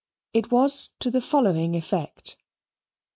It was to the following effect.